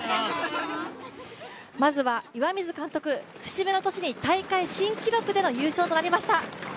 まずは岩水監督、節目の年に大会新記録での優勝となりました。